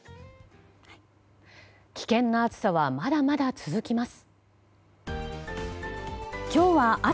危険な暑さはまだまだ続きます。